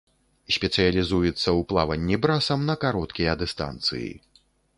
Спецыялізуецца ў плаванні брасам на кароткія дыстанцыі.